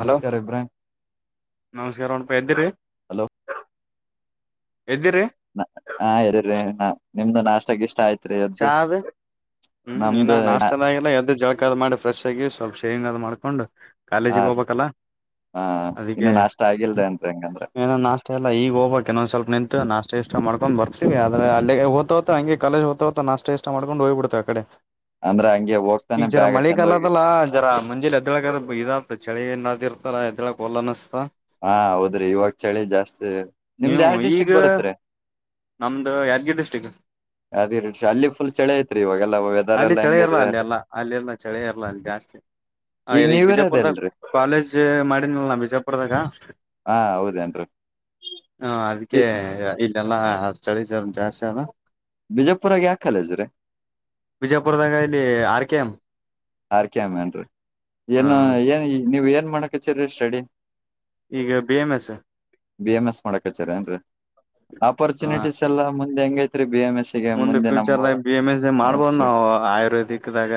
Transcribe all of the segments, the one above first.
Hello ನಮಸ್ಕಾರ ಇಬ್ರಾಹಿಂ ನಮಸ್ಕಾರ ಅಣಪ ಇದ್ದಿೀ ಹಲೋ ಎದುರೆ ಹಾ ಹೇಳಿ್ರರಿ ನಿಮ್ದು ನಾಷ್ಟಕ್ಕ ಇಷ್ಟ ಜಾಾದ ಹ್ಮ್ ಇಲ್ಲ ನಮ್ದು ನಾಷ್ಟದಗಲ್ಲ ಎದ್ದ ಜೋಳಕದ್ ಮಾಡಿ ಫ್ರೆಶ್ ಆಗಿ ಸ್ವಲ್ಪ ಶೇನ್ದ್ ಮಾಡ್ಕೊಂಡು ಆ ಕಾಲೇಜಿಗೆ ಹೋಗಬೇಕಲ್ಲ ಹ ಅದಕ್ಕೆ ಇನ್ನು ನಾಷ್ಟ ಆಗಿಲ್ದೇನ್ರಿ ಹಂಗಂದ್ರ ಏನ ನಾಷ್ಟ ಎಲ್ಲ ಈಗ ಹೋಗ್ಕ್ ಇನ್ನೊಂದ್ ಸ್ವಲ್ಪ ನಿಂತು ನಾಷ್ಟ ಇ ಇಷ್ಟ ಮಾಡಕೊಂಡ್ ಬರ್ತವಿ ಆದ್ರ ಅಲ್ಲಿ ಹ್ತ ಹಂಗೆ ಕಾಲೇಜ ಹ್ತ ನ ಅಷ್ಟ ಇಷ್ಟ ಮಾಡಕೊಂಡು ಹೋಗ್ಬಡ್ೇವೆ ಆ ಕಡೆ ಅಂದ್ರ ಹಂಗೆ ಈಗ ಹೋಗ್ತಾನೆ ಜರ ಬ್ಯಾಗ್ ಹಾಕೊಂಡ್ ಹೋಗಿ ಮಳೆಗಾಲದಲ್ಲ ಜರ ಮುಂಜೆಲಿ ಎದ್ದಳ ಇದ ಳಿ ನ ಇರ್ತಲ್ಲ ಎದ್ಳ ಹೋಲ್ ಅನಿಸ್ತ ಹಾ ಹೌದ್ರಿ ಇವಾಗ ಚಳಿ ಜಾಸ್ತಿ ನಿಮ್ದ್ ನೀವು ಯಾರ್ ಈಗ ಡಿಸ್ಟ್ರಿಕ್ ಬರುತ್ರಿ ನಮ್ದು ಯಾದಗಿರಿ ಡಿಸ್ಟ್ರಿಕ್ ಅದಿ ರೀ ಅಲ್ಲಿ ಫುಲ್ ಚಳಿ ಐತ್ರಿ ಇವಾಗೆಲ್ಲ ಅಲ್ಲಿ ಎಲ್ಲಾ ಚಳಿ ಇರಲ ಹೆಂಗೈತ್ರಿ ಅಲ್ಲಿ ಎಲ್ಲ ಅಲ್ಲಿರ್ನ ಚಳಿ ಇರ್ಲ ಅಲ್ಲಿ ಜಾಸ್ತಿ ಹ ಈಗ ಇಲ್ಲಿಗ್ ನೀವಿರೋದ ಬಿಜಾಪುರ್ದಾಗ ಅಲ್ರಿ ಕಾಲೇಜ್ ಮಾಡನ್ಲ್ ನಾ ಬಿಜಾಪುರ್ದಾಗ ಹಾ ಹೌದೇನ್ರಿ ಹಾ ಬಿ ಅದಕ್ಕೆ ಇ ಎಲ್ಲ ಚಳ ಜಾಸ್ತಿ ಅಲ್ಲ ಬಿಜಪುರಾಗ ಯಾಕಲಜ್ರೆ ವಿಜಯಪುರದಾಗ ಇಲ್ಲಿ ಆರ್ ಕೆ ಎಂ್ ಆರ್ ಕೆಮ ನ್ರಿ ಏನು ಏನ್ ನೀವ್ ಏನ್ ಮಾಡಕ್ ಹಚ್ಚೀರರಿ ಸೆಡಿ ಈಗ ಬೇಮ ಬಿ ಎಂ ಎಸ್ ಮಾಡಕ್ ಕಚಾರಿ ಏನ್ರಿ ಆಪರ್ಚುನಿಟೀಸ್ ಎಲ್ಲಾ ಮುಂದೆ ಹೆಂಗೈತಿ ಮುಂದೆ ಫ್ಯೂಚರ್ ಬಿ ಎಮ್ ಎಸ್ ದಿ ಹ ಮಾಡ್ಬೋದು ಸರಿ ನಾವು ಆಯುರ್ವೇದಿಕ್ದಾಗ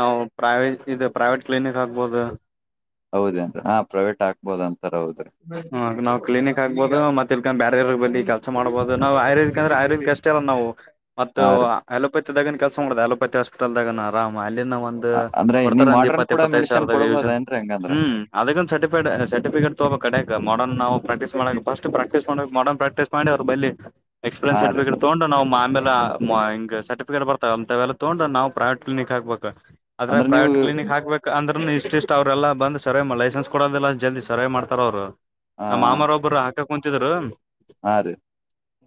ನಾವು ಪ್ರೈವೇ ಇದು ಪ್ರೈವೇಟ್ ಕ್ಲಿನಿಕ್ ಆಗ್ಬಹದು ಹೌದೇನ್ ಹ ಪ್ರೈವೇಟ್ ಆಗ್ಬೋದಂತ ಹ ನಾವ್ ಕ್ಲಿನಿಕ್ ಆಗ್ಬೋದು ಮತ್ತೆ ಇಲ್ಕೊಂಡ್ ಬೇರೆವ್ರ ಬರ್ ಕೆಲಸ ಮಾಡಬಹುದು ನಾವು ಆಯುರ್ವೇದಕ್ ಅಂದ್ರೆ ಆಯುರ್ವೇದಕ್ ಅಷ್ಟೇ ಅಲ್ಲ ನಾವು ಮತ್ತು ಹಾ ರೀ ಅಲೋಪ ನ್ ಕೆಸ ಮಾಡ ಅಲೋಪತಿ ಹಾಸ್ಪಿಟಲ್ಾಗ ನ ಆರಾಮ ಒಂದ್ ಅಂದ್ರೆ ನೀವ್ ಬಡ್ತಾರೆ ಒಂದ ಮಾಡ್ರನ್ ಇಪ್ಪತ್ತ ಕೂಡ ಇಪ್ಪತ್ತೈದು ಮೆಡಿಸನ್ ಸಾವಿರದ ಯನ್ ಕೊಡ್ಬೋದೇನ್ರಿ ಹೆಂಗಂದ್ರ ಹ್ಮ್ ಅದ ಒಂದು ಸರ್ಟಿಫ ಸರ್ಟಿಫಿಕೇಟ್ ತಗೋಬೇಕ ಮಾಡರ್ನ್ ನಾವು ಪ್ರಾಕ್ಟೀಸ್ ಮಾಡಕ್ ಫಸ್ಟ್ ಪ್ರಾಕ್ಟೀಸ್ ಮಾಡಕ್ ಮಾಡರ್ನ್ ಪ್ರಾಕ್ಟೀಸ್ ಮಾಡಿ ಅವ್ರ ಬಿ ಎಕ್ಸ್ಪೀರಿಯನ್ಸ್ ಹಾ ರೀ ಸರ್ಟಿಫಿಕೇಟ್ ತಗೊಂಡ ನಾವು ಆಮೇಲೆ ಹ ರ್ಟಿಕಟ್ ಬರ್ತ ತೊಂಡ್ರ ನಾವು ಪ್ರೈೇಟ್ ಕ್ಲಿನಿಕ್ ಹಕ್ಬೇಕು ಅ್ರ ಅಂದ್ರ ನೀವು ಪ್ರೈವಟ್್ಲಿನಿಕ್ ಹಾಕ್ಬೇಕ ಅಂದ್ರೆ ಇಷ್ಟ ಇಷ್ಟ್ ಅವ್ರೆಲ್ಲ ಬಂದ ಸರ್ವೆ ಲೈಸೆನ್ಸ್ ಕೊಡೋದಿಲ್ಲ ಜಲ್ದಿ ಸರಿವೆ ಮಾಡತಾರ ಅವರು. ನಮ್ಮ ಮಾಮಾರ ಒಬ್ರು ಹಾಕಕ್ ಕುಂತಿದರು. ಹ ರಿ.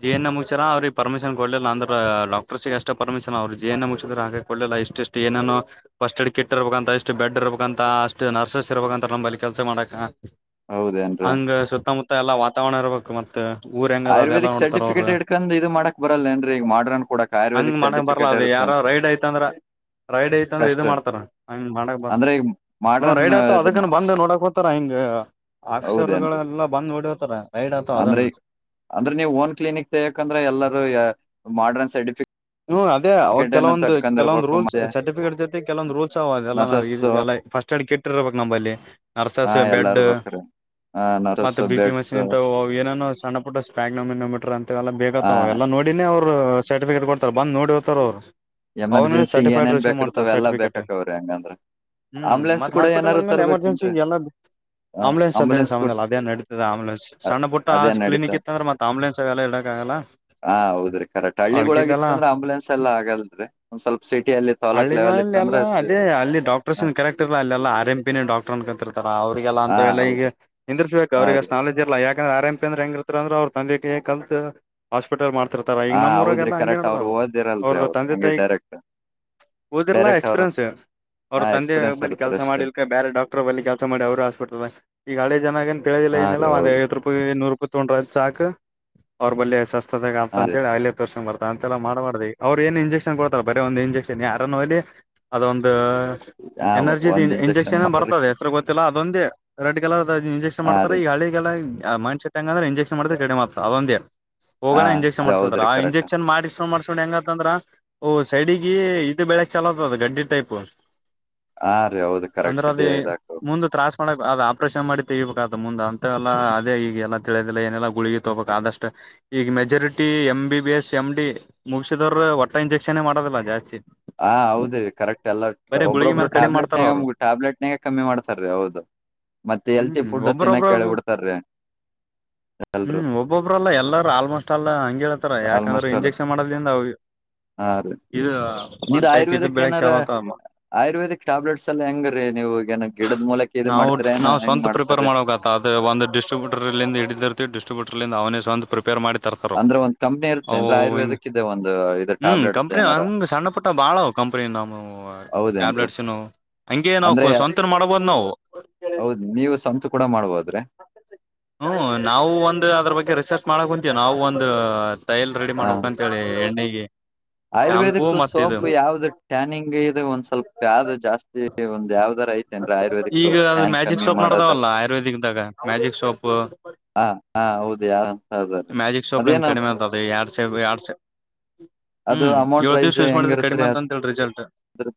ಜೆ ಎನ್ ಎ ಮುಚ್ಚ್ಯರ ಅವ್ರಿಗೆ ಪರ್ಮಿಷನ್ಡ್ಲಲ್ಲ ಅಂದ್ರ ಡಾಟರ್ಸ್ಗೆ ಅಷ್ಟ ಪರ್ಮಿಶನ್ ಅವರು ಜಿ ಎ ಮುಚ್ಚಿದ್ರ ಹಾಗೆ ಕೊಡ್ಲಿಲ್ಲ. ಇಷ್ಟ ಇಷ್ಟು ಏನೇನು ಫಸ್ಟ್ ಏಡ್ ಕಿಟ್ ಇರ್ಬೇಕ ಅಂತ ಇಷ್ಟು ಬೆಡ್ ಇರ್ಬೇಕ ಅಂತ ಅಷ್ಟ ನರ್ಸ್ ಇರ್ಬೇಕ ಅಂತ ನಂಬಲ್ಲಿ ಕೆಲಸ ಮಾಡ. ಹೌದೇನ್ರಿ ಹಂಗೆ ಸುತ್ತಮುತ್ತ ಎಲ್ಲಾ ವಾತಾವರಣ ಇರ್ಬೇಕು ಮತ್ತೆ. ಆಯುರ್ವೇದಿಕ್ ಸರ್ಟಿಫಿಕೇಟ್ ಇಡ್ಕೊಂಡು ಇದು ಮಾಡಕ್ ಬರಲ್ಲ ಏನ್ ಈಗ ಮಾಡ್ರನ್ ಕೊಡಕ್ ಆಯುರ್ವೇದಿಕ್ ಸರ್ಟಿಫಿಕೇಟ್. ದ ಇರುತ್ತ ಯಾರೋ ರೈಡ್ ಆಯ್ತ ಅಂದ್ರ. ರೈಡ್ ಐತ ಅಂದ್ರೆ ಕಷ್ಟ ಇದು ಮಾಡ್ತಾರ ಹಂಗ್ ಮಾಡಕ್ ಬ ಅಂದ್ರೆ ಈಗ ಹ ಮಾಡ್ರನ್ ರೈಡ್ ಆಯತ ಅದಕ್ಕ ಬಂದ ನೋಡಕ್ ಹೋತಾರ ಹಿಂಗ್. ಹೌದೇನ್ರಿ ಆಫೀಸರ್ಗಳೆಲ್ಲ ಬಂದ್ ಹೊಡಿತಾರ ರೈಡ್ ಅಥವಾ ಅಂದ್ರೆ ಅದನ್ನು. ಅಂದ್ರೆ ನೀವು ಓನ್ ಕ್ಲಿನಿಕ್ ತೆಯಕಂದ್ರೆ ಎಲ್ಲರೂ ಮಾಡ್ರನ್ ಸರ್ಟಿಫಿಕ್. ಹ್ಮ ಅದೇ ಅವಾಗ ಕೆಲವೊಂದು ರೂಲ್ಸ್ ಮತ್ತೆ ಸರ್ಟಿಫಿಕೇಟ್ ಜೊತೆ ಕೆಲವೊಂದು ರೂಲ್ಸ್ ಅವದೆಲ್ಲ ನರ್ಸಸ್ ನವು ಫಸ್ಟ್ ಏಡ್ ಕಿಟ್. ಇರ್ಬೇಕ ನಮಲ್ಲಿ ಹ ನರ್ಸಸ್ ಎಲ್ಲಾರ ಬೆಡ್. ಬೇಕ್ರಿ ಹ ನರ್ಸಸ್ ಮತ್ತೆ ಬಿ ಪಿ ಬೆಡ್ಸ್ ಮಷೀನ್ ಇ ಏನೇನೋ ಸಣ್ಣ ಪುಟ್ಟ ಸ್ಪ್ಯಾಗನಮಿನೋಮೀಟರ್ ಅಂತಲ್ಲ ಬೇಕತ್ತ ಹ ಎಲ್ಲ ನೋಡಿ. ಅವ್ರು ಸರ್ಟಿಫಿಕೇಟ್ ಕೊಡ್ತಾರ ಬಂದ ನೋಡಿ ಹೋರ್ತಾರ ಅವ್ರು. ಅವನು ಎಮರ್ಜೆನ್ಸಿಗ್ ಸರ್ಟಿಫೈಡ್ ಏನೇನ್ ರಿಸ್ಯೂ್ ಮಾಡ್ತಾವ ಬೇಕಿರ್ತಾವ ಎಲ್ಲಾ ಸರ್ಟಿಫಿಕೇಟ್. ಬೇಕಾಕವ್ರಿ ಹಂಗಂದ್ರ ಹ್ಮ್ ಆಂಬುಲೆನ್ಸ್ ಮತ್ತ ಕೂಡ ಹಾಸ್ಪಿಟಲ್ ಏನಾರ ಅಂದ್ಮೇಲೆ ಎಮರ್ಜೆನ್ಸಿ ತರ್ಬೇಕೇನ್ರೀ ಎಲ್ಲ ಹ ಆಂಬುಲೆನ್ ಅದೇ ಆಂಬುಲೆನ್ಸ್ ಕೊಡ್ಸ್ ಸಾಮಾನ್ಯ ನಡೀತದೆ ಆಂಬುಲೆನ್ ಅ ಸಣ್ಣುಟ್ಟ ಆ ಅದೇ ಕ್ಲಿನಿಕ್ ನಡೀತದ ಇತ್ತಂದ್ರೆತ್ತ ಆಂಬುಲೆನ್ಸ್ ಎಲ್ಲ ಇಡಕ್ಕೆ. ಆಲ್ಲ. ಹಾ ಹೌದ್ರಿ ಕರೆಕ್ಟ್ ಹಳ್ಳಿಗಳೊಳಗ ಇತ್ತ ಅಂದ್ರೆ ಆಂಬುಲೆನ್ಸ್ ಎಲ್ಲ ಆಗಲ್ರಿ ಒಂದ್ ಸ್ವಲ್ಪ. ಸಿಟಿಯಲ್ಲಿ ತಾಲೂಕ್ ಹಳ್ಳಿ ಲೆವೆಲ್ ಇತ್ತಂದ್ರ ಎಲ್ಲಾ ಸಿ ಅದೇ ಅಲ್ಲಿ ಹಾ ಡಾಕ್ಟರ್ಸ್ನ್ ಕರೆಕ್ಟ್ ಇರ್ಲ್ಲ ಅಲ್ಲೆಲ್ಲಾ ಆರ್ ಎಂ ಪಿನೇ ಡಾಕ್ಟರ್ ಅನ್ಕಂತಿರ್ತಾರ. ಲ್ಲ ಹಾ, ಅಂತಲ್ಲ ಈಗ ಹೌದು ನಿಂದಿರಬೇಕು ಹಾ ಅವ್ರಿಗೆ ರೀ ಅಷ್ಟ ನಾಲಜ್ ಇರಲ್ಲ. ಯಾಕಂದ್ರೆ ಆರಂಪ ಅಂದ್ರ ಹೆಂಗ ಇರ್ತ ಅಂದ್ರ ತಂದೆ ಕಲ್ ಹಾಸ್ಪಿಟಲ್ ಮಾಡ ಇರ್ತರ ಈಗ ಹಾ ನಮ್ಮ್ಊರ ಹೌದ್ರಿ ಎಲ್ಲ ಹಂಗೆ ಕರೆಕ್ಟ್ ನಡದಾವು. [unintelligible] ಅವ್ರು ಹಂಗೆ ಡೈರೆಕ್ಟ್. ಓದಿರಲ್ಲ ಡೈರೆಕ್ಟ್ ಅವ್ರು ಎಕ್ಸ್ಪೀರಿಯನ್ಸ್. ಅವ್ರ ಹಾ ತಂದೆ ಎಕ್ಸ್ಪೀರಿಯನ್ಸ್ ಬಬಲಿ ಇರ್ತಾರ ಕೆಲಸ ಅಷ್ಟೇ ಮಾಡಿಲ್ಕ ಬೇರೆ ಡಾಕ್ಟರ್ ಬಲಿ ಕೆಲಸ ಮಾಡಿ ಅವ್ರರು ಹಾಸ್ಪಿಟಲ್ ಈಗ ಹಳೆ ಜನ ಏ ಹಾ ತಿಿಲ್ಲ ರೀ [unintelligible] ಹೌದು ಐವತ್ತು ರೂಪಾಯಿ ನೂರುೂಪಾಯಿ ತೊಗೊಂಡ್ರೆ ಸಾಕ್. ಅವ್ರ ಬಳಿ ಶಸ್ತದಾಗ ಅಂತ ಹಾ ರೀ ಅಂತೇಳಿ ಅಲ್ಲೇ ತರ್ಸೊಂಡ ಬರ್ತ ಅಂತ ಮಾಡಾರ ಅವ್ರು ಏನ್ ಇಂಜೆಕ್ಷನ್ ಕೊಡ್ತಾರ ಬರ ಒಂದು ಇಂಜೆಕ್ಷನ್ ಯಾರನ ಹೋಗ್ಲಿ ಅದೊಂದು. ಹಾ ಒ- ಎನರ್ಜಿ ಒಂದ್ ಇಂಜೆಕ್ಷನ್ ಮಾತ್ರ ಬರ್ತದೆ ಹೆಸ್ರು ಗೊತ್ತಿಲ್ಲ ಅದೊಂದೇ ರೆಡ್ ಕಲರ್. ಇಂಜೆಕ್ಷನ್ ಹಾ ಮಾಡ್ತಾರೆ ರೀ ಈ ಹಳಿಿಗೆಲ್ಲಾ ಮೈಂಡ್ ಸೆಟ್ ಹಂಗಂದ್ರೆ ಇಂಜೆಕ್ಷನ್ ಮಾಡಿದ್ರೆ ಕಡಿಮ್ತ ಅದೊಂದೇ ಹಾ ಹೋಗಣ ಇಂಜೆಕ್ಷನ್ ಅದ ಮಾಡಸಕೋತಾರ ಹೌದ್ರಿ ಆ ಕರೆಕ್ಟ್ ಇಂಜೆಕ್ಷನ್ ಮಾಡಿ ಮಾಡ್ಸ್ಕೊಂಡ್ ಹೆಂಗಂತಂದ್ರ ಸೈಡಿಗೆ ಇದು ಬೆಳೆಕ್ ಚಲೋತ್ದ ಗಡ್ಡಿ ಟೈಪ್. ಹಾ ರೀ ಹೌದು ಅಂದ್ರೆ ಕರೆಕ್ಟ್ ಅದ ಇದಾಗ್ತವ ಮುಂದ ತ್ರಾಸ್ ಮಾಡಕ್ ಅದು ಆಪ್ರೇಷನ್ ಮಾಡಿ ತೆಗಿಬೇಕ ಅದು ಮುಂದ ಅಂತೆ ಎಲ್ಲ ಅದೇ ಈಗ ಎಲ್ಲ ತಿಳಿಯದಿಲ್ಲ ಏನೆಲ್ಲ ಗುಳಗಿ ತಗೋಬೇಕ್ ಅಷ್ಟೆ. ಈಗ majority M B B S M D ಮುಗಸಿದವ್ರರು ಒಟ್ಟ ಇಂಜೆಕ್ಷನ್ ಮಾಡದಲ್ಲ ಜಾಸ್ತಿ. ಹ ಹೌದ್ರೀ ಕರೆಕ್ಟ್ ಎಲ್ಲ ಬರೀ ಗುಳಗಿ ಒಬ್ಬ್ರೊಬ್ರು ಮೇಲೆ ಕಡಿಮೆ ಮಾಡ್ತಾರ ಅವ್ರು ಟ್ಯಾಬ್ಲೆಟ್ನಾಗ ಟ್ಯಾಬ್ಲೆಟ್ನಾಗ ಕಮ್ಮಿ ಮಾಡ್ತಾರೀ ಹೌದು. ಮತ್ತೆ ಎಲ್ತಿ ಹ್ಮ್ ಫುಡ್ ತಿನ್ನಾ ಒಬ್ಬ್ರೊಬ್ರ ಕೇೇಳಬಿಡ್ತಾರ್ರೆ. ಹ್ಮ್ ಒಬ್ಬೊಬ್ಬ್ರಲ್ಲಾ ಎಲ್ಲಾರ ಆಲ್ಮೋಸ್ಟ್ ಅಲ್ಲ ಹಂಗ ಹೇಳ್ತಾರ ಆಲ್ಮೋಸ್ಟ್ ಯಾಕಂದ್ರೆ ಎಲ್ಲ ಇಂಜೆಕ್ಷನ್ ಮಾಡದ ಹಾ ರೀ ಇದು ನಿಮ್ದ್ ಒಂದ್ ಟೈಪ್ ಇದು ಆಯುರ್ವೇದಕ್ ಬೆಳಗ್ ಏನಾರ ಚಲ್ ಅತಮ್ಮ. ಆಯುರ್ವೇದಿಕ್ ಟ್ಯಾಬ್ಲೆಟ್ಸ್ ಎಲ್ಲ ಹೆಂಗ್ರೀ ನೀವು ಏನ ಗಿಡದ ಮೂಲಕ ಇದು ನಾವು ಮಾಡ್ತಿರಾ ಏನು ನಾವು ಹೆಂಗ್ ಸ್ವಂತ ಪ್ರಿಪೇರ್ ಮಾಡ್ತಾರಿ. ಮಾಡಬೇಕತ್ತ ಒಂದು ಡಿಸ್ಟ್ರಬ್ಯೂಟರ್ಲ್ಲಿಂದ ಹಿದಿರ್ತಿ ಡಿಸ್ಟ್ರಿಬ್ಯಟರ್ ಇಂದ ಅವನೇ ಸ್ವಂತ. ಪೇರ್ ಮಾಡಿ ತರ್ತಾರ ಅಂದ್ರ ಒಂದ್ ಕಂಪ್ನಿ ಅ ಇರ್ತೇನ್ರ ಹಿಂಗ ಆಯುರ್ವೇದಕ್ ಇದೆ ಒಂದು ಇದು ಹ್ಮ ಟ್ಯಾಬ್ಲೆಟ್ ಕಂಪ್ನಿ ಏನಾರ ಹಂಗೆ ಸಣ್ಣ ಪುಟ್ಟ ಭಾಳ ಕಂಪ್ನಿ ನಮ್ಮ ಹೌದೇನ್ರಿ ಟ್ಯಾಬ್ಲೆಟ್ಸನು. ಹಂಗೇನು ಅಂದ್ರೆ ನಾವು ಸ್ವಂತ ಮಾಡಬೋದು ನಾವು. ಹೌದ್ ನೀವು ಸ್ವಂತ ಕೂಡ ಮಾಡ್ಬೋದ್ರಿ ಹ್ಮ ನಾವು ಒಂದು ಅದ್ರ ಬಗ್ಗೆ ರಿಸ ಮಾಡ ಕುಂತೀವಿ ನಾವವು ಒಂದ ಟ್ರೈಲ್ ರೆಡಿ ಹ ಮಾಡ್ಬೇಕಂತ ಹೇಳಿ ಎಣ್ಣಿಗೆ ಆಯುರ್ವೇದಕ್ ಸೋಪ್ ಯಾವ್ದ ಟ್ಯಾನಿಂಗ್ ಇ ಒಂದ್ ಸ್ವಲ್ಪ ಯಾವ್ದ ಜಾಸ್ತಿ ಒಂದ್ ಯಾವ್ದರ ಈಗ ಅದು ಮ್ಯಾಜಿಕ್ ಸೋಪ್ ನಡದಾವಲ್ಲ ಆಯುರ್ವೇದಿಕ್ದಾಗ ಮ್ಯಾಜಿಕ್ ಸೋಪ್. ಹಾ ಹಾ ಹೌದ ಹದ ಅದೇನಪ್ಪು ಆಡ್ಸೆ [unintelligible] ಹ್ಮ್ ಅಮೌಂಟ್ ಏಳ್ ಪ್ರೈಸ್ ದಿವ್ಸ ಯೂಸ್ ಮಾಡಿದ್ರೆ ಕಡಿಮೆ ಹೆಂಗಿರುತ್ರಿ ಅಂತ ಅಂತೇಳಿ ರಿಸಲ್ಟ್ ಅದ್ರ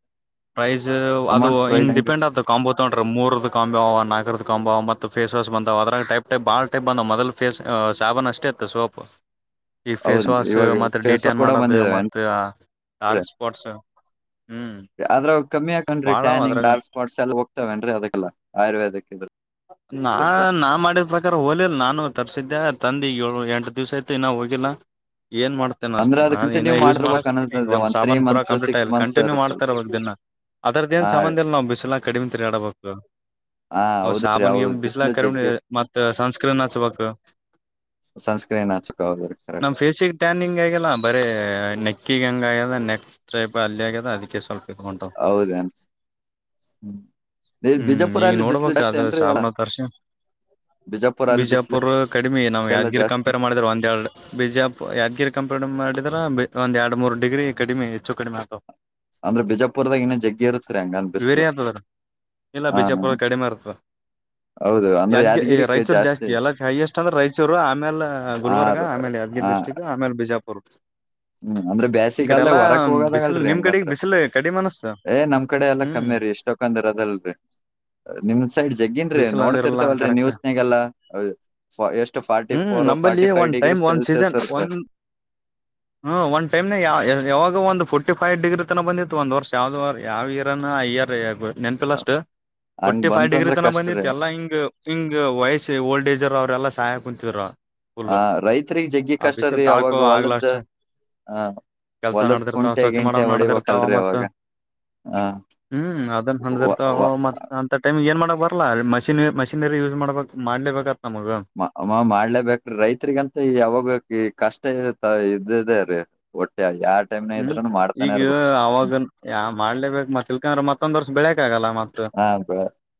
ಪ್ರೈಸ್ ಅದು ಅಮೌಂಟ್ ಪ್ರೈಸ್ ಹಿಂಗ್ ಹೆಂಗ ಡಿಪೆಂಡ್ ಆತು ಕಾಂಬೋ ತಗೊಂಡ್ರಿ ಮೂರದ ಕಾಂಬ ಅವ ನಾಲ್ಕರದ ಕಾಂಬ ಅವ ಫೇಸ್ ವಾಶ್ ಬಂದಾವ ಅದ್ರಾಗ ಟೈಪ್ ಟೈಪ್ ಬಾ ಟೈಪ್ ಬಂದ್ ಮದಲ್ ಫೇಹ ಸಾನ್ ಅಷ್ಟೇ ಇತ್ತು ಸೋಪ್ ಈ ಫೇಸ್ ಹೌದೇನ್ರಿ ವಾಶ ಇವಾಗ ಮತ್ತೆ ಫೇಸ್ ವಾಶ್ ಡಡಿಟೆನ್ ಕೂಡ ಮಾಡೋದು ಬಂದಿದಾವೇನ್ರಿ ಮತ್ತ ಡಾರ್ಕ್ ಸ್ಪಾಟ್ಸ್ ಹ್ಮ್ ಆದದ್ರಾಗ ಕಮ್ಮಿಾಕನ್ ಬಾಳವ ಟ್ಯನಿಂಗ್ ಅದ್ರಾಗ ಡಾರ್ಕ್ ಸ್ಪಾಟ್ಸ್ ಎಲ್ಲ ಹ ಇವೇನ್ ಅದಕ್ಕೆಲ್ಲ ಆಯುರ್ವೇದಕ್ ನಾ ಇದ್ರದ್ದು ನಾ ಮಾಡಿದ ಪ್ರಕಾರ ಹೋಲಿಲ್ಲ ನಾನು ತರ್ಸಿದ್ದೆ ತಂದೆ ಏಳು ಎಂಟು ದಿವ್ಸ ಆಯತೆು ಇ ನಾ ಹೋಗಿಲ್ಲ ಏನ್ ಮಾಡ್ತೇನೆ ಅಂದ್ರೆ ಅಷ್ಟು ಅದ ನಾನು ಇಏ ಕಂಟಿನ್ಯೂ ಯೂಸ್ ಮಾಡಿರ್ಬೇಕ್ ಮಾಡಕತಿನಿಗ ಅನ್ನದದ್ರಿ ಒಂದ ಒಂದ್ ತ್ರೀ ಸಾಬಾನ್ ಪೂರ ಮಂತ್ಸ್ ಕಂಪ್ಲೀಟ್ ಸಿಕ್ಸ್ ಆಯಿಲ್ಲ ಮಂತ್ಸ್ ಕಂಟನ್ಯೂ ಇರುತ್ತಲ್ ಮಾಡ್ತಾರ ಅವಾಗನ್ನ ಅದ್ರದ್ದ ಏನ್ ಹಾ ರೀ. ಸಂಬಂಧ ಇಲ್ ನಾವವು ಬಿಸಿಸಿಲಾ ಕಡಿಮೆ ತಿರಿಾಡಬೇಕು ಹಾ ಹ್ ಹೌದ್ರಿ ಸಾಬನ್ ಹೌದು ಬಿಸ್ಲಾ ಬಿಸ್ಲು ಕರಮ ಜಗ್ಗಿ ಇರ್ತ ಮತ್ತ ಸನ್ಸ್ಕ್ರೀನ್ ಹಚ್ಬೇಕು ಸನ್ಸ್ಕ್ರೀನ್ ಹಚ್ಚಕ್ ಹೌದ್ರಿ ಕರೆಕ್ಟ್ ನಮ್ ಫೇಸಿಗೆ ಟ್ಯಾನಿಂಗ್ ಆಗಲ್ಲ ಬರ ನೆ ಕಕ್ಕಗಂಗ ಆ್ಯದ ನೆಕ್ಸ್ಟ್ ಟೈ ಅಲ್ಲಿ ಆಗ್ಯದ ಅದಕ್ಕೆ ಸ್ವಲ್ಪ ಉಂಟ ಹೌದೇನ್ ಹ್ಮ್. ಈ ಹ್ಮ್ ಬಿಜಾಪುರ ಈಗ ಅಲ್ಲಿ ನೋಡ್ಬ ಬಿಸ್ಲು ಅದು ಶಾವನ ತರ್ಷು ಬಿಜಾಪು ಬಿಜಾಪುರ್ ಕಡಿಮೆ ನಾವು ಯಾದ್ಗಿರಿ ಕಂಪೇರ್ ಮಾಡಿದ್ರೆ ಒಂದೆರಡು ಬಿಜಾಪು ಯಾದ್ಗಿರಿ ಕಂಪೇರ್ ಮಾಡಿದ್ರ ಒಂದ ಎರಡ್ ಮೂರ್ ಡಿಗ್ರಿ ಕಡಿಮೆ ಹೆಚ್ಚು ಕಡಿಮೆ ಆಗು ಅಂದ್ರೆ ಬಿಜಾಪುರ್ದಾಗ ಇನ್ನ ಜಗ್ಗಿ ಇರುತ್ತರಿ ಹಂಗನ್ ಬಿಸ್ಲು ಬೇರೆ ಆಗ್ತದ್ರ ಹಾ ಹ [inaudible] ಯದ್ಗೆ ರಾಯಚೂರು ಜಾಸ್ತಿ ಎಲ್ಲ ಹೈಯೆಸ್ಟ್ ಅಂದ್ರೆ ರಾಯಚೂರು ಆಮೇಲೆ ಆ ಗುಲ್ಬರ್ಗ ರ- ಆಮೇಲೆ ಯದ್ಗೆ ಆ ಡಿಸ್ಟ್ರಿಕ್ಟ್ ಮೇಲೆ ಬಿಜ ಹ್ಮ್ ಅಂದ್ರೆ ಬೇಸಿಗಲ್ದ ಎಲ್ಲಾ ಹೊರಕ್ ಬಿಸಿಲು ಹೋಗದಾಗಲ್ರರಿ ನಿಮ್ ಕಡೆಗ್ ಹೆಂಗಂದ್ರ ಬಿಸಿಲು ಕಡಿಮೆ ಅನಸ್ತ ಏ ನಮ್ ಕಡೆ ಎಲ್ಲಾ ಹ್ಮ್ ಕಮ್ಮಿ ರೀ ಎಷ್ಟೊಕ್ಕಂದ್ರ ಅದಲ್ರಿ ನಿಮ ಸೈಡ್ ಜಗ್ಗನ್ರೀ ಬಿಸಿಲು ಅದಿರಲ್ಲ ನೋಡ್ತಿರ್ತವಲ್ರಿ ನೀವ್ ಕರೆಕ್ಟ್ ಸ್ನೇಗಲ್ಲಾ ಎಷ್ಟು ಫಾರ್ಟಿ ಹ್ಮ್ ಫೋರ್ ನಂಬಲ್ಲಿ ಫಾರ್ಟಿ ಫೈವ್ ಡಿಗ್ರಿ ಸೆಲ್ಸಿಯಸ್ ಇರುತ್ತೆ [inaudible] ಹ್ಮ್ ಒ ಟಮ್ ನ ಯ ಯಾವಾಗ ಒಂದು ಫೋರ್ಟ ಫೈವ್ ಡಿಗ್ರಿ ತನ ಬಂದಿತ್ತು ಒಂದ ವರ್ಷ ಯಾವ್ದ ಯಾವರ ಹ ಅ ಯಾಗರು [unintelligible] ನೆನಪಿಲ್ಲ ಅಷ್ಟ್ ಹಂಗ್ ಫೋರ್ಟಿ ಫೈವ್ ಡಿಗ್ರಿ ಬಂತಂದ್ರ ತನ ಕಷ್ಟ ರೀ ಬಂದಿತ್ತು ಎಲ್ಲ ಹಿಂಗ ಹಿಂಗ ವಯಸ್ಸ ಓಲ್ಡ್ ಏಜ ಅವ್ರಲ್ಲಾ ಸಹಾಯ ಕುಂತಿದರು ಫುಲ್ ಆ ರೈತರಿಗ್ ಜಗ್ಗಿ ಆ ಕಷ್ಟ ಬಿಸಿಲ್ ರೀ ತಾಳ್ಕೋ ಅವಾಗ ಆಗ್ಲ ಹೊಲದ ಅಷ್ಟೇ ಆ ಕೆಲ್ಸ ಹೊಲದ್ ನಡ್ದಿರ್ತಾವ ಕುಂಟೆ ಚೌಚ್ ಮಾಡೋ ಗಿಂಟೆ ನಡ್ದಿರ್ತಾವ ಹೊಡಿಬೇಕಲ್ರಿ ಮತ್ತ ಅವಾಗ ಹ್ಮ್ ಅದನ್ ಹಂಡ್ದಿರ್ತ ಹ ಮ ಅಂತ ನಿಮ್ ಏನ್ ಮಾಡಕ್ ಬರಲ್ಲ ಅ ಮಷನ್ ಮಷನರಿ ಯೂಸ್ ಮಾಡ್ಬೇಕಕ್ ಮಾಡ್ಲೇಬೇಕ ಮಾಡ್ಲೇಬೇಕ್ರ ರೈತ್ರಿಗಂತ ಯಾವಾಗ ಕಷ್ಟ ಇ ಇದದೆೇ ರೀ ಒಟ್ಟೆ ಟೈಮ್ನ ಹ್ಮ್ ಇದ್ರೂನು ಮಾಡ್ತಾನೆ ಈಗ ಇರ್ಬ ಅವಾಗ ಯ ಮಾಡ್ಲೇಬೇಕಕ್ ಮತ್ತ ಇಲ್ಕಂದ್ರ ಮತ್ತೊಂದ್ ವರ್ಷ ಬೆಳಕ್ ಆಗಲ್ಲ ಮತ್ತ ಹ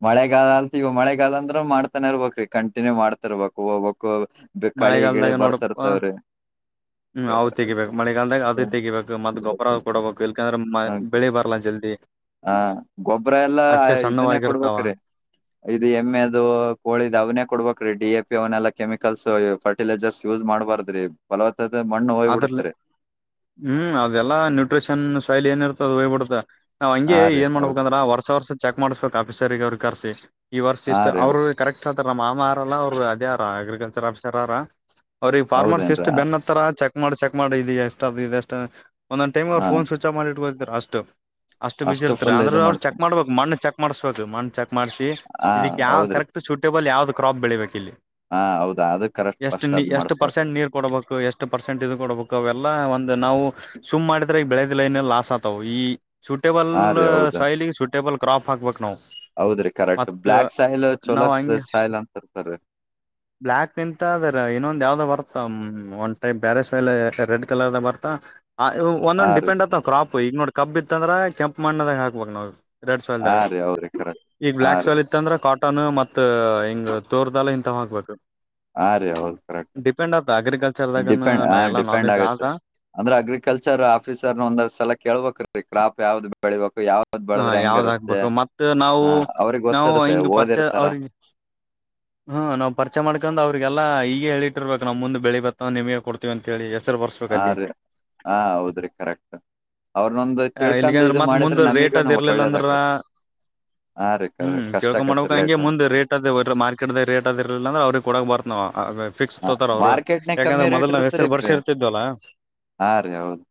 ಮಳೆಗಾಲ ಅಲ್ಗ ಮಳೆಗಾಲ ಅಂದ್ರೂ ಮಾಡ್ತಾನೆ ಇರ್ಬೇಕಕ್ ಕಂಟಿನ್ಯೂ ಮಾಡ್ತರ್ಬೇಕು ಹೋಗು ಮಳೆಗಾಲದಾಗ ನ ಉಡಕ ಹ್ಮ ಅವು ತೆಗಿಬೇಕಕ್ ಮಳೆಗಾಲದಾಗ ಅದ ತೆಗಿಬೇಕು ಮತ್ತ್ ಗೊಬ್ಬರ ಕೊಡಬೇಕು ಯಕಂದ್ರೆ ಬೆಳಿ ಬರ್ಲ್ಲಾ ಜಲ್ದಿ ಹ ಗೊಬ್ಬ್ರ ಎಲ್ಲಾ ಅಟ್ಟೆ ಇದನ್ನೇ ಸಣ್ಣವಾಗಿರ್ತಾವ ಕೊಡ್ಬೇಕ್ರೀ ಇದು ಎಮ್ಮೆದು ಕೋಳಿದು ಅವನೇ ಕೊಡ್ಬೇಕ ಡಿ ಎ ಪಿ ಅವನೆೆಲ್ಲ ಕೆಮಿಕಲ್ಸ್ ಫಟಿಲೈಸರ್ಸ್ ಯೂಸ್ ಮಾಡ್ಬಾರ್ದ್ರಿಲವ ಅದ್ರಲೆ ಹ್ಮ್ ಅದೆಲ್ಲಾ ನ್ಯೂಟ್ರಿಷನ್ ಸಾಯಿಲ್ ಏನಿರುತ ಅದು ಹೋಗ್ಬಿಡ್ತ ನಾ್ ಹಂಗೆ ಹಾ ರೀ ಏನ್ ಹೌದ್ ಮಾಡ್ಬೇಕಂದ್ರ ವರ್ಸ ವರ್ಷ ಚೆಕ್ ಮಾಡ್ಬೇಕಕ್ ಆಫೀಸರ್ಗ ಅವ್ರರು ಕರ್ಸಿ ಈ ವರ್ಷ ಹಾ ಇಷ್ಟು ರೀ ಅವ್ರರು ಕರೆಕ್ಟ್ ಆತಾರ ನಮ್ಮ ಮಾಮ ಅರಲ್ಲ ಅವ್ರು ಅದೇರ ಅಗ್ರಿಕಲ್ಚರ್ ಆಫೀಸರ್ರ ಅವ್ರಿಗೆ ಫಾರ್ಮರ್ಸಿಸ್ಟ್ ಹೌದೇನ್ರಿ ಬೆನ್ನ ಹತ್ತಾರ ಚೆಕ್ ಮಾಡಿ ಚೆಕ್ ಮಾಡಿ ಇದ ಎಷ್ಟಾದ ಇ ಎಷ್ಟ ಒಂದೊಂದ ಹಾ ಟೈಮ್ರುಫೋನ್ ಸ್ಚ್ ಆ ಮಾಡಿಟ್ಟ ಬತ್ರುಷ್ಟು ಅಷ್ಟು ಬಿಸಿ ಇರ್ತಾರೆ ಫುಲ್ ಇದು ಅಂದ್ರರು ಅವ್ರು ಚೆಕ್ ಮಾಡ್ತರಿ ಮಾಡ್ಬೇಕ ಮಣ್ಣ ಚೆಕ್ ಮಾಡ್ಸ್ಬೇಕ ಮಣ್ ಚೆಕ್ ಮಾಡ್ಸಿ ಹಾ ಇದಕ್ ಯಾವ ಹೌದ್ರಿ ಕರೆಕ್ಟ್ ಸೂಟೇಬಲ್ ಯಾವ್ದ ಕಾಪ್ ಬೆಳಿಬೇಕು ಇಲ್ಲಿ ಹಾ ಹೌದಾ ಅದು ಕರೆಕ್ಟ್ ಎಷ್ಟು ಫಸ್ಟ್ ನೀ ಅದ್ ಎಷ್ಟು ಪರ್ಸೆಂಟ್ ಮಾಡಸ್ಬೇಕ್ರಿ ನೀರ್ ಕೊಡಬೇಕು ಎಷ್ಟು ಕೊಡಬೇಕು ಅವೆಲ್ಲಾ ಒಂದ್ ನಾವು ಸುಮ್ ಮಾಡಿದ್ರ ಈ ಬೆಳೆದಿಲ್ಲ ಲಾಸ್ ಆತಾವ್ ಈ ಸೂಟೇಬಲ್ ಹಾ ರೀ ಹೌದ ಸಾಯಲಿಗೆ ಸೂಟೇಬಲ್ ಕ್ರಾಪ್ ಹಾಕ್ಬೇಕು ನಾವು ಹೌದ್ರಿ ಕರೆಕ್ಟ್ ಮತ್ ಬ್ಲ್ಯಾಕ್ ಸೈಲ್ ಚೋಲ ನಾವ್ ಹಂಗೆ ಸೈಲ್ ಅಂತ ಇರ್ತಾರರಿ ಬ್ಲ್ಯಾಕ್ ಇಂತ ಅದ್ರ ಇನ್ನೊಂದ್ ಯಾವ್ದ್ ಬರ್ತ ಒಂದ್ಟೈಪ್ ಬ್ಯಾರೆಲ್ ರೆಡ್ ಕಲರ್ದ ಬರ್ತಾ ಆ ಹಾ ಒಂದೊಂದು ರೀ ಡಿಪೆಂಡ್ ಆತವ ಕ್ರಾಪ್ ಈ ನೋಡ್ ಕಬ್ ಇತ್ತಂದ್ರೆ ಕೆಂಪು ಮಣ್ಣದಾಗ ಹಾಕ್ಬಬೇಕ ನಾವವು ರೆಡ್ ಹಾ ಸವೆಲ್ದಾಗ ರೀ ಹೌದ್ರಿ ಕರೆಕ್ಟ್ ಈಗ ಹಾ ಬ್ಲ್ಯಾಕ್ ರೀ ಸ್ವೆಲ್ ಇತ್ತ ಅಂದ್ರೆ ಕಾಟನ್ ಮ ಹಿಂಗ್ ತೋರ್ದೆಲ್ಲ ಇ ಹಬೇಕು ಹಾ ರೀ ಹೌದು ಕರೆಕ್ಟ್ ಡಿಪೆಂಡ್ ಆ ಅಗ್ರಿಕಲ್ಚರ್ ಆದಾಗ ನಾ ಎಲ್ಲಾ ನಾಲೆಜ್ ಆದ ಅಂದ್ರೆ ಅಗ್ರಿಕಲ್ಚರ್ ಆಫೀಸರ್ ನ ಒಂದ ಸಲ ಕೇಳ್ಬೇಕ್ರೀ ಕ್ರಾಪ್ ಯಾವ್ದ್ ಬೆಳಿಬೇಕು ಯಾವ್ದ್ ಹಾ ಬೆಳದ್ರೆ ಯಾವ್ದ ಹೆಂಗಿರುತ್ತೆ ಆಗ್ಬೇಕು ಮತ್ತ ನಾವು ಹ ಅವ್ರಿಗೆ ನಾವು ಗೊತ್ತಿರುತ್ತೆ ಹಿಂಗ ಪರಿಚೆ ಓದಿರ್ತಾರ ಅವ್ರ ಹ್ಮ ನಾವ್ ಪರಿಚಯ ಮಾಡ್ಕ ಅವ್ರ ರಿಗೆಲ್ಲ ಈಗ ಹೇಳಿಟ್ಟರ್ಬೇಕ ನಮ್ಮ ಮುಂದ ಬೆಳಿ ಬತ್ತ ನಿಮಗೆ ಕೊಡ್ತವಿ ಅಂತ ಹೇಳಿ ಹೆಸರು ಬರ್ಸ್ಬೇಕ ಹ ಅಲ್ಲಿ ರೀ ಹ ಹೌದ್ರಿ ಕರೆಕ್ಟ್ ಅವ್ರನೊಂದು ತಿಳ್ಕಂದು ಇದು ಮಾಡಿದ್ರೆ ನಮಗ್ ಟ್ಟದಿ ಇರ್ಲಿಲ್ಲ ಅಂದ್ರ ಹಾ ರೀ ಹ್ಮ್ ಕರೆಕ್ಟ್ ಕಷ್ಟ ಕೇಕೊ ಆಕತ್ರಿ ಮಾಡ್ಬೇಕಕ್ ಹಂಗೆ ರೇಟ್ ಮುಂದ ರೇಟ್ ಅದ ಮಾರ್ಕೆಟ್ ದ ರೇಟ್ದ್ ಇಲಿಲ್ಲ ಅಂದ್ರೆ ಅವ್ರಿಗೆ ಕೊಡ ಬರ್ತಾರೆ ಅ ಫಿಕ್ಸ್ ತೊತಾರ ಅವ್ರು ಮಾರ್ಕೆಟ್ನಾಗ ಕಮ್ಮಿ ಯಾಕಂದ್ರೆ ರೇಟ್ ಮೊದ್ನ ಇರುತ್ತರಿ ಹೆಸರು ಬರ್ಸಿ ಇರ್ತಿದ್ವಲ್ಲ ಹಾ ರೀ ಹೌದು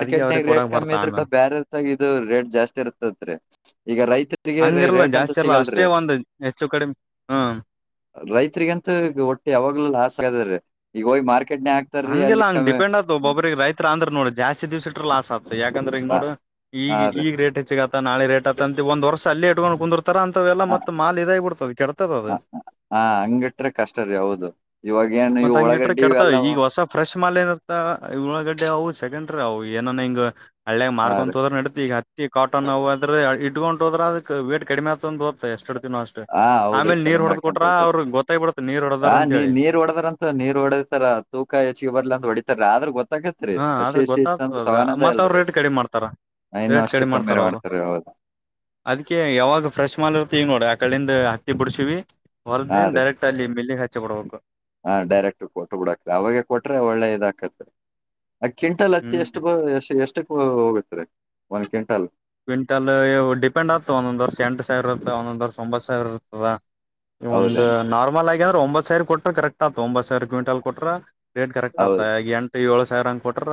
ಅದಕ್ಕೆ ಅವ್ರಿಗೆ ರೇಟ್ ಕೊಡಕ್ ಕಮ್ಮಿ ಬರ್ತಾ ಇದ್ರ ಬಿ ಆಮೇಲೆ ಬ್ಯರೆ ರೇಟ್ ಜಾಸ್ತಿ ಇರ್ತತ್ ರೀ ಈಗ ರೈತರಿಗೆ ರ ಹಂಗಿರಲ್ಲ ರೇಟ್ ಅಂತ ಜಾಸ್ತಿ ಇರಲ್ಲ ಅಷ್ಟೇ ಸಿಗಲ್ರರಿ ಒಂದ್ ಹೆಚ್ಚು ಕಡಿಮೆ ಹ್ಮ್ ರೈತ್ರಿಗಂತೂ ಈಗ ಒಟ್ಟೆ ಯಾವಾಗ್ಲೂ ಆಸೆ ಆಗದೀ ಈಗ ಹೋಗಿ ಮಾರ್ ಹಂಗೆಲ್ಲ ಹಂಗಗೆ ಡಿಪೆಂಡ್ ಆಗ್ತವ ಒಬ್ರಿಗೆ ರೈತ್ ಅ್ರ ನೋಡಿ ಜಾಸ್ತಿ ದಿವ್ಸ ಇಟ್ಟ್ರ ಲಾಸ್ ಆಗ್ತ ಯಾಕಂದ್ರೆ ಈಗ ಹಾ ನೋಡು ಹಾ ಈಗ ರೀ ಈಗ ರೇಟ್ ಹೆಚ್ಚ ಆ ನಳೆ ರೇಟ್ ಅತಂತ ಒಂದ ವರ್ಷ ಅಲ್ಲಿ ಇಟ್ಕೊಂಡು ಕುಂದ ತರ ಅಂತವೆಲ್ಲ ಹ ಮತ್ತ ಮಾಲ್ ಇದಾಗಿ ಬಿಡ್ತದ ಕೆಡ್ತದ ಅದು ಹ ಹಾ ಹಂಗಿಟ್ರೆ ಕಷ್ಟ ರೀ ಹೌದು ಇವಾಗ ಏನ್ ಇವು ಮತ್ತತ್ ಹಂಗ ಇಟ್ರ ಒಳಗಡ್ಡಿ ಕೆಡತಾವ ಇವೆಲ್ಲ ಈಗ ಹೊಸ ಫ್ರೆಶ್ ಮಾಲೆ ಇತ್ತ ಉಳ್ಳಳಾಗಡ್ಡೆ ಹವು ಚ ಹನ್ ಅವವು ಏನೋ ಹಿಂಗ ಹಳ್ಳೇಗ್ ಹಾ ಮಾರ್ಕೊಂತ್ ರೀ ತೋದ್ರ ನಡ ಈಗ ಹತ್ತಿ ನವುರ ಇಡ್ಕೊಂಡು ಹೋದ್ರ ಅದಕ್ ವೇಟ್ ಕಡಿಮೆಗ್ತದ ಬೋತ ಎಷ್ಟ ಅಷ್ಟೇ ಹಾ ಹೌದ್ರಿ ಆಮೇಲೆ ನೀರ್ ಕಡಿಮೆ ಹೊಡೆಡದ್ ಹಾಕಂತ ಕೊಟ್ರ ಹೋಗತ್ ಅವ್ರರು ಗೊತ್ತಾಗಬಿಡತ್ತೆ ನೀರ್ ಹೊಡದಾರ ಹಾ ಅಂತ ನೀ ಹೇಳಿ ನೀರ್ ಹೊಡದ್ರಂತ ನೀರ್ ಹೊಡತಾರ ತೂಕ ಹೆಚ್ಚಿಗೆ ಬರ್ಲ ಅಂತ ಹೊಡಿತಾರೆ ಆದ್ರ ಗೊ ತಗತ್ರಿ ಹಾ ಹಸಿ ಆದ್ರ ಹಸಿ ಇತ್ತಂದ್ರ ಗೊತ್ತಾಗ್ತದ ತಗಾನದ ಮತ್ ಅವ್ರ ಇಲ್ರಿ ರೇಟ್ ಕಡಿಮೆ ಮಾಡ್ತಾರ ಇನ್ನುೂ ಅಷ್ಟು ಕಮ್ಮಿರ ಮಾಡ್ತಾರೆ ಹೌದು ಅದ್ ಯಾವಾಗ ಫ್ರೆಶ್ ಮಾಲ್ ಇರ್ತ ಈಗ ನೋಡ ಆ ಕಡಿಂದ ಹತ್ತಿ ಬಿಡ್ಸಿವವಿ ಹೊರದ ಹಾ ದನ್ ರೀ ಡರೆಕ್ಟ್ ಅಲ್ಲಿ ಮೆಲ್ಲಿಗೆ ಹಚ್ಚಿ ಕೊಡಬೇಕು ಹಾ ಡೈರೆಕ್ಟ್ ಕೊಟ್ಟ ಬಿಡಕರಿ ಅವಾಗೆ ಕೊಟ್ರೆ ಒಳ್ಳೆ ಇದಾಕತ್ರಿ ಆ ಕ್ವಿಂಟಾಲ್ ಹತ್ತ ಹ್ಮ್ ಎಷ್ಟು ಎಷ್ಟ ಎಷ್ಟಕ್ ಹೋಗತ್ರಿ ಒಂದ್ ಕ್ವಿಂಟಾಲ್ ಕ್ವಿಂಟಲ್ ಡಿಪೆಂಡ್ ಆಗ್ತ ಒಂದೊಂದ ವರ್ಷ ಎಂಟು ಸಾವಿರ ಇರುತ್ತ ಒಂದೊಂದ್ ವರ್ಷ ಒಂಬತ್ತು ಸಾವಿರ ಇರ್ತದ ಈ ಒಂದು ಹೌದೇನ್ ನಾರ್ಮಲ್ ಆಗಿ ಅಂದ್ರೆ ಒಂಬತ್ ಸಾವಿರ ಕೊಟ್ರ ಕರೆಕ್ಟ್ ಆತು ಒಂಬತ್ ಸಾವಿರ ಕ್ವಿಂಟಲ್ ಕೊಟ್ರ ಡೇಟ್ ಕರೆಕ್ಟ್ ಆಪ್ಪ ಹೌದ್ ಎಟು ಏಳು ಸಾವಿರ ಹಂಗ ಕೊಟ್ರ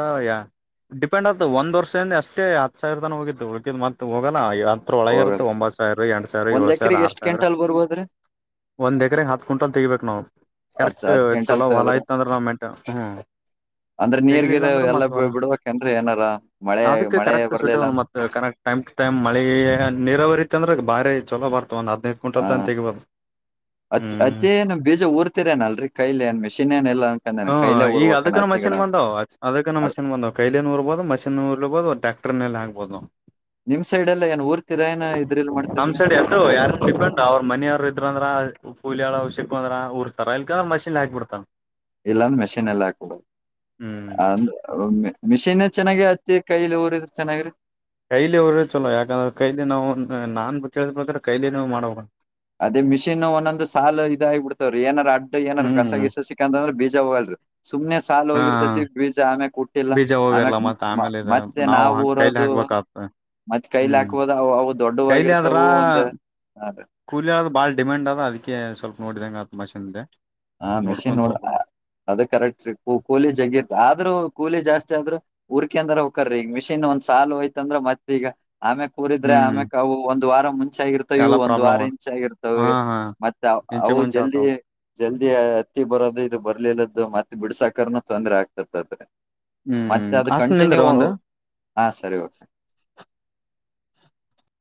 ಡಿಪೆಂಡ್ ಆತ ಒಂದ್ ವರ್ಷದಿಂದ ಅಷ್ಟೇ ಹತ್ತು ಸಾವಿರ ತನ ಹೋಗಿತ್ತು ಮತ್ತ ಹೋಗಣ ಹತ್ರ ಒಳಗ ಇತ್ತೆ ಹೋಗಲ್ ಒಂಬತ್ತು ಸಾವರ ಎರ ಸಾವರ ಸಾವ ಒಂದ್ ಏಳು ಸಾವಿರ ಎಕರೆಗೆ ಆರು ಎಷ್ಟ್ ಸಾವಿರ ಕ್ವಿಂಟಲ್ ಬರ್ಬೋದ್ರಿ ಒಂದು ಎಕ್ರ ಹತ್ತು ಕ್ವಿಂಟಲ್ ತೆಗಿಬೇಕು ನಾವು ಹತ್ ಕರೆಕ್ಟ್ ಹತ್ ಕ್ವಿಂಟಲ್ ಚೊಲೋ ಹೊಲ ತಗದ್ರ ಆಯ್ತ ಅಂದ್ರೆ ನಮ್ಮ ಮೆಂಟ್ ಹ್ಮ್ ಅಂದ್ರೆ ನೀರ್ ತೆಗಲಿಲ್ಲ ಗಿರ್ ಅಂದ್ರೆ ಎಲ್ಲಾ ಬಿ- ಮತ್ವಲ್ಲ ಬಿಡ್ಬೇಕೇನ್ರಿ ಏನಾರ ಮಳೆ ಅದಕ್ಕೆ ಮಳೆ ಕರೆಕ್ಟ್ ಬರ್ಲಿಲ್ಲ ಸುಟ್ಟವಲ್ಲ ಅಂತ ಮತ್ತ ಕರೆಕ್ಟ್ ಟೈಮ್ ನೆಕ್ಸ್ಟ್ ಟೈಮ್ ಮಳಿ ನೀರಾವರಿತ್ತ ಅಂದ್ರೆ ಬಾರಿ ಚೊಲಪ ಬರ್ತವ ಒಂದ ಹದ್ದು ಕ್ವಿಂಟಲ್ ತಂದ ತೆಗಿಬೋದು ಅತ್ ಹ್ಮ್ ಅತ್ತೇನು ಬೀಜ ಊರ್ತಿರೇನಲ್ರಿ ಕೈಲ್ ಏನ್ ಮಿಷನ್ೇನ್ ಎಲ್ಲ ಅನ್ಕಂದೇ ಹ್ಮ್ ಕೈಯಲೆ ಈಗ ಊರ್ವಾನ ಅದಕ್ಕನ ಮಷಿನ್ ಬಂದ್ ಅದಕ ನ ಮಿನ್ ಬಂದ್ ಕೈಲನು ಉರ್ಬಹ ಮಷಿನ್ ಉರ್ಬಹ ಟ್ಯಾಕ್ಟರ್ ಮೇಲೆ ಹಾಬಹದುಾವು ನಿಮ್ ಸೈಡ್ ಎಲ್ಲಾ ಏನ್ ಊರ್ತಿರ ಏನ ಇದ್ರಲ್ ಮಾಡ್ತಿರಿ ಹಂಸ ಎಷ್ಟ ಸೈಡ್ ಯಾರ ಡಿಪೆಂಡ ಅವ್ರ ಮನೆಯವ್ ಇದ್ರ ಅಂದ್ರ ಹೂಲಿಿಯಳ ಅವ್ಯಕ ಅ್ರ ಉಊರ್ಾರ ಇಲ್ಕಂದ್ರ ಮಿನ್ ಹಾಕ್ಬ ಬಿಡ್ತಾನ ಇಲ್ಲ ಅಂದ್ರ ಮೆಷಿನ್ ಎಲ್ಲ ಹಾಕುದು ಹ್ಮ್ ಅಂದ ಮಿಷಿನ್ ಚೆನ್ನಾಗ ಇದೆ ಕೈಲಿ ಊರ ಇದ್ರ ಚೆನ್ನಾಗಿರಿ ಕೈಲಿ ಅವ್ರ ಚಲೋ ಯಾಕಂದ್ರೆ ಕೈಲಿ ನಾವು ನಾನ್ ಕೇಳದ್ ಪ್ರಕಾರ ಕೈಲಿ ನೀವ್ ಮಾಡಬೇಕ್ ಅದೇ ಮಿಷಿನ್ ಒಂದೊಂದು ಸಾಲ ಇದಾಗಿಬಿಡ್ತವ್ರ ಏನರ ಅಡ್ ಏನರ ಕಸ ಹ್ಮ್ ಗಿಸ ಸಿಕ್ಕಂತ ಅಂದ್ರ ಬೇ ಬೀಜ ಹೋಗಲ್ ರೀ, ಸುಮ್ನೆ ಸಾಲು ಹಾ ಹೋಗಿರ್ತತಿ ಬೀಜ ಆ ಮೇಲ್ ಉಟ್ ಇಲ್ಲ ಬೀಜ ಹೋಗಿರ್ಲ್ಲ ಆಮ್ಯಕ್ ಮತ್ತ ಮ ಆಮೇಲೆ ಇದ ಮತ್ತೆ ನಾವು ಕೈಲಿ ಊರೋದು ಹಾಕ್ಬೇಕಾಗ್ತ ಮತ್ತ್ ಕೈಲಿ ಹ್ಮ್ ಹಾಕ್ಬೋದುವು ಅವುಅವ್ ದೊಡ್ಡವಾಗಿರ್ತವು ಒಂದ್ ಕೂಲಿಿಯ ಆದ ಭಾಳ ಡಿಮ್ಯಾಂಡ್ ಅದ ಅದಕ್ಕೆ ಸ್ವಲ್ಪೋಡಂಗೆ ಅದು ಮಷಿನ್ ಇದೆ ಹಾ ಮೆಷಿನ್ ನೋಡ್ರ ಅದು ಕರೆಕ್ಟ್ ಕೂಲಿ ಜಗ್ಗಿ ಆದ್ರೂ ಕೂಲಿ ಜಾಸ್ತಿ ್ರೆ ಹುರ್ಕೆ ಅಂದ್ರ ಹಕ್ಕರೀ ಈಗ ಮಿಷಿನ್ ಒಂದ್ ಸಾಲು ಹೋಯ್ತಂದ್ರೆ ಮತ್ತತ್ ಈಗ ಆಮ್ಯಕ್ ಕೂರಿದ್ರೆ ಹ್ಮ್ ಆಮೆಕ್ ಅವು ಒಂದ ವಾರ ಮುಂಚೆ ಇಚ್ ಆಗಿರ್ತವೆವು ಎಲ್ಲಾ ಒಂದ್ ಪ್ರಾಬ್ಲಮ್ ವಾರ ಆತ್ ಇಂಚ್ ಹಾ ಆಗಿರ್ತವೆ ಹಾ ಮತ್ತೆ ಇಂಚೆ ಅವು ಮುಂಚೆ ಜಲ್ದಿ ಆತಾವ್ ಜಲ್ದಿ ಹತ್ತಿ ಬರೋದು ಇದು ಬರ್ಲಿಲ್ಲದು ಮತ್ತೆ ಬಿಡ್ಸಾಕನು ತೊಂದ್ರೆ ಆಗ್ತತ್ತ ಅ್ರೆ ಹ್ಮ್ ಮತ್ತೆ ಅದು ಹಸ್ನ್ ಕಂಟಿನ್ಯೂ ನಿಂದ್ರು ಒಂದು ಹಾ ಸರಿ ಓಕೆ